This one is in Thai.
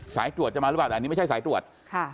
สายตรวจจะมาหรือเปล่าแต่อันนี้ไม่ใช่สายตรวจค่ะ